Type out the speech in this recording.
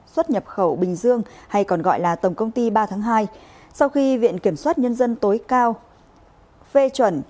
xuất nhập khẩu bình dương hay còn gọi là tổng công ty ba tháng hai sau khi viện kiểm soát nhân dân tối cao phê chuẩn